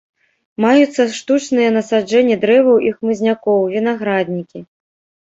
Маюцца штучныя насаджэнні дрэваў і хмызнякоў, вінаграднікі.